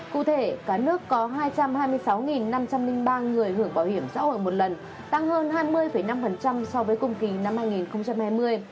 cụ thể cả nước có hai trăm hai mươi sáu năm trăm linh ba người hưởng bảo hiểm xã hội một lần tăng hơn hai mươi năm so với cùng kỳ năm hai nghìn hai mươi